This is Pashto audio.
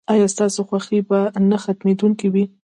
ایا ستاسو خوښي به نه ختمیدونکې وي؟